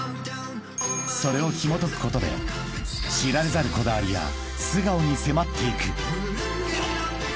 ［それをひもとくことで知られざるこだわりや素顔に迫っていく］